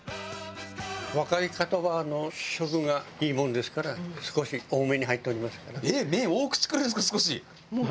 若い方は食がいいものですから少し多めに入っておりますから。